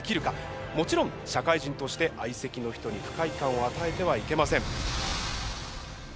もちろん社会人として相席の人に不快感を与えてはいけません。